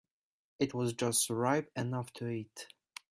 It was just ripe enough to eat.